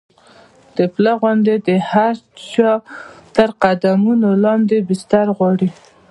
د پله غوندې د هر چا تر قدمونو لاندې بستر غواړي.